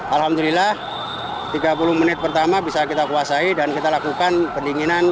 alhamdulillah tiga puluh menit pertama bisa kita kuasai dan kita lakukan pendinginan